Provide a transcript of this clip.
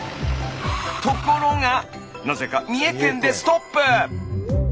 ところがなぜか三重県でストップ！